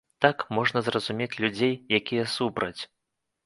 Так, можна зразумець людзей, якія супраць.